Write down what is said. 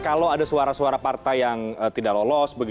kalau ada suara suara partai yang tidak lolos